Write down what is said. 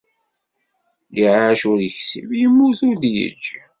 Iɛac ur yeksib, yemmut ur d-yeǧǧi.